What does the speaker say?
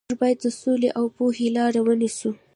موږ باید د سولې او پوهې لارې ونیسو.